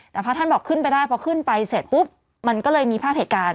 แต่พระท่านบอกขึ้นไปได้พอขึ้นไปเสร็จปุ๊บมันก็เลยมีภาพเหตุการณ์